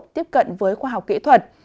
tiếp cận với khoa học kỹ thuật